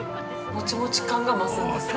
◆もちもち感が増すんですか。